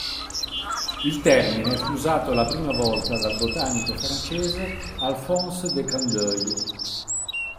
Il termine fu usato la prima volta dal botanico francese Alphonse De Candolle.